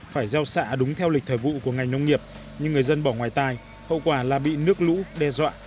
phải gieo xạ đúng theo lịch thời vụ của ngành nông nghiệp nhưng người dân bỏ ngoài tài hậu quả là bị nước lũ đe dọa